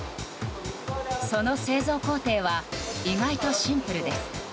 その製造工程は意外とシンプルです。